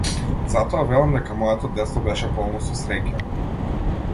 Затоа велам дека моето детство беше полно со среќа.